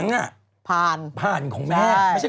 คุณหมอโดนกระช่าคุณหมอโดนกระช่า